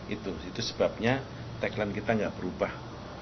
itu sebabnya tagline kita tidak berubah